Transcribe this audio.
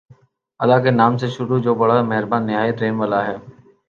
اللہ کے نام سے شروع جو بڑا مہربان نہایت رحم والا ہے